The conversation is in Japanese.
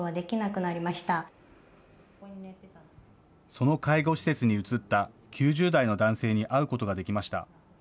その介護施設に移った９０代の男性に会うことができました。